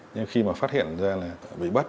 nhưng khi mà phát hiện ra là bị bắt